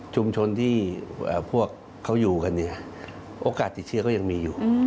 ชุมชนที่พวกเขาอยู่กันเนี่ยโอกาสติดเชื้อก็ยังมีอยู่